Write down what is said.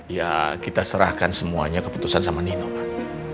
ya kita serahkan semuanya keputusan sama nino kan